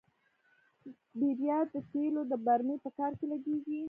بیرایت د تیلو د برمې په کار کې لګیږي.